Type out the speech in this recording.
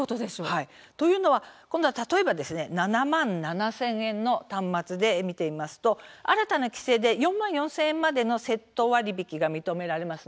というのは、例えば７万７０００円の端末で見てみると新たな規制で４万４０００円までのセット割引が認められます。